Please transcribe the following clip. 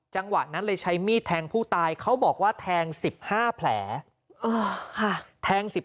จังหวะนั้นเลยใช้มีดแทงผู้ตายเขาบอกว่าแทง๑๕แผลแทง๑๕